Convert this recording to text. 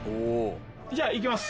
じゃあいきます。